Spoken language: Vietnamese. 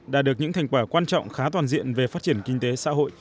đạt được những thành quả quan trọng khá toàn diện về phát triển kinh tế xã hội